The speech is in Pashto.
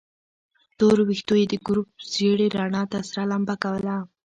تورو ويښتو يې د ګروپ ژېړې رڼا ته سره لمبه کوله.